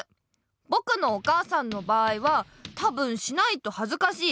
ぼくのお母さんの場合はたぶんしないとはずかしい。